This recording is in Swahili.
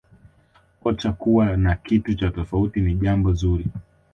kocha kuwa na kitu cha tofauti ni jambo zuri